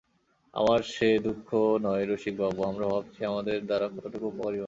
আমাদের সে দুঃখ নয় রসিকবাবু, আমরা ভাবছি আমাদের দ্বারা কতটুকু উপকারই বা হচ্ছে।